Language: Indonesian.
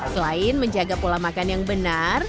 selain menjaga pola makan yang benar